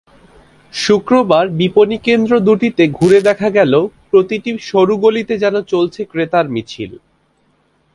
শুক্রবার বিপণিকেন্দ্র দুটিতে ঘুরে দেখা গেল, প্রতিটি সরু গলিতে যেন চলছে ক্রেতার মিছিল।